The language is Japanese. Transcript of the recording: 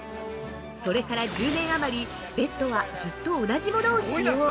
それから１０年余り、ベッドはずっと同じものを使用。